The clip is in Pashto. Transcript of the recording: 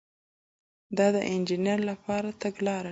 دا د انجینر لپاره تګلاره ټاکي.